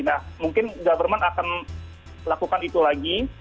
nah mungkin government akan lakukan itu lagi